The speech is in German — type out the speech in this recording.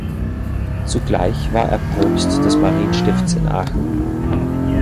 Zugleich war er Propst des Marienstifts in Aachen.